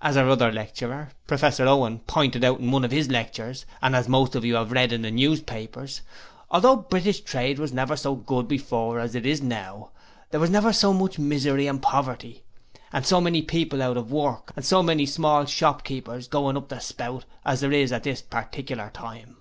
As our other lecturer, Professor Owen, pointed out in one of 'is lectures and as most of you 'ave read in the newspapers, although British trade was never so good before as it is now, there was never so much misery and poverty, and so many people out of work, and so many small shopkeepers goin' up the spout as there is at this partickiler time.